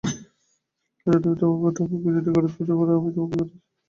আচ্ছা, তুমি তোমার বউঠাকরুনকে যদি গড়ে তুলতে পার আমি তোমাকে পারিতোষিক দেব।